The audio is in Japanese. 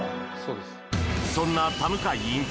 そんな田向院長